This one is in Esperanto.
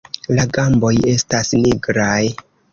La gamboj estas nigraj.